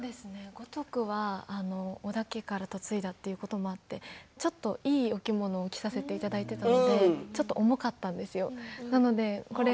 五徳は織田家から嫁いだということもあってちょっといいお着物を着させていただいていたので重かったんですよ。